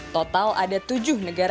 total ada tujuh negara